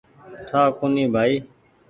ٺآ ڪونيٚ ڀآئي